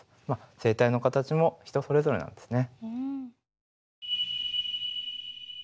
声帯の形も人それぞれなんですね。